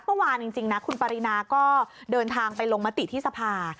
เมื่อวานจริงนะคุณปรินาก็เดินทางไปลงมติที่สภา